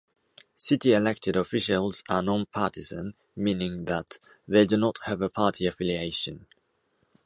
City elected officials are non-partisan, meaning that they do not have a party affiliation.